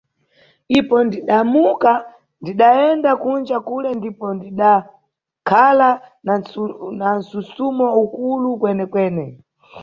Ipo ndidamuka, ndidayenda kunja kule ndipo ndidakhala na msusumo ukulu kwene-kwene.